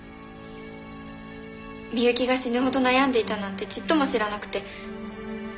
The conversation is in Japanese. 美雪が死ぬほど悩んでいたなんてちっとも知らなくて。